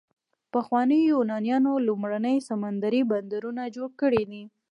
پخوانیو یونانیانو لومړني سمندري بندرونه جوړ کړي دي.